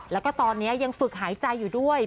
แล้วก็ตอนนี้ยังฝึกหายใจอยู่ด้วย